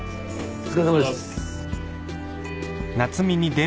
お疲れさまです。